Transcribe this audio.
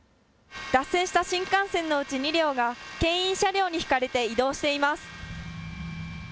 脱線した新幹線のうち２両がけん引車両に引かれて移動しています。